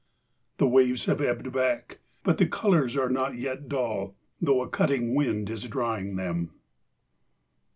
The waves have ebbed back ... but the colours are not yet dull, though a cutting wind is drying them.